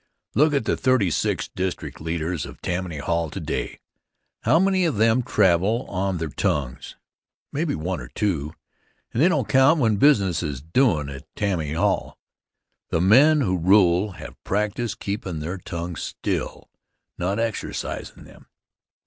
Look at the thirty six district leaders of Tammany Hall today. How many of them travel on their tongues? Maybe one or two, and they don't count when business is doin' at Tammany Hall. The men who rule have practiced keepin' their tongues still, not exercisin' them.